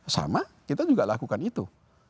sama kita juga lakukan itu